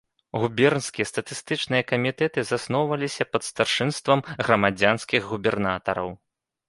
Губернскія статыстычныя камітэты засноўваліся пад старшынствам грамадзянскіх губернатараў.